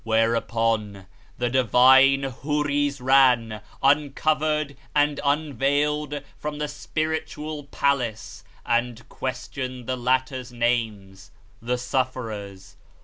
Whereupon the Divine Houris ran, uncovered and unveiled from the spiritual Palace and questioned the latter's names (the sufferers).